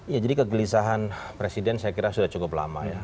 ya jadi kegelisahan presiden saya kira sudah cukup lama ya